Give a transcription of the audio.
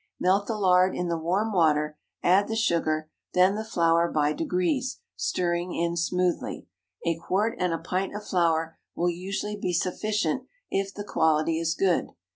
Melt the lard in the warm water, add the sugar, then the flour by degrees, stirring in smoothly. A quart and a pint of flour will usually be sufficient if the quality is good.